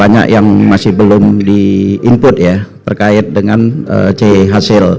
jumlah seluruh suara sah